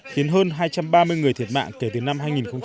khiến hơn hai trăm ba mươi người thiệt mạng kể từ năm hai nghìn một mươi